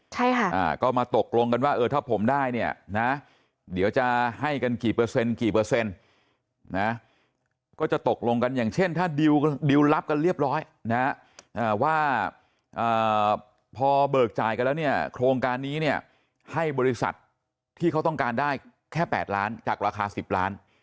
ใช่ค่ะก็มาตกลงกันว่าเออถ้าผมได้เนี่ยนะเดี๋ยวจะให้กันกี่เปอร์เซ็นต์กี่เปอร์เซ็นต์นะก็จะตกลงกันอย่างเช่นถ้าดิวรับกันเรียบร้อยนะว่าพอเบิกจ่ายกันแล้วเนี่ยโครงการนี้เนี่ยให้บริษัทที่เขาต้องการได้แค่๘ล้านจากราคา๑๐ล้าน